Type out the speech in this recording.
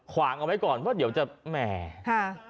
ขวางเอาไว้ก่อนเพราะเดี๋ยวจะแหมค่ะ